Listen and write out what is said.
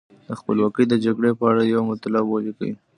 د خپلواکۍ د جګړې په اړه یو مطلب ولیکئ.